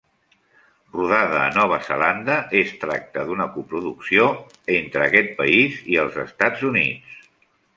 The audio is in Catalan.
Rodada a Nova Zelanda, es tracta d'una coproducció entre aquest país i els Estats Units.